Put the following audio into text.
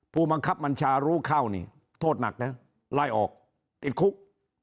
ผู้บังคับบัญชารู้เข้านี่โทษหนักนะไล่ออกติดคุก